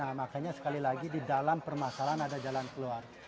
nah makanya sekali lagi di dalam permasalahan ada jalan keluar